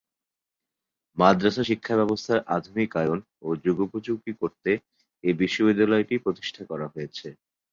মাদ্রাসা শিক্ষাব্যবস্থার আধুনিকায়ন ও যুগোপযোগী করতে এই বিশ্ববিদ্যালয়টি প্রতিষ্ঠা করা হয়েছে।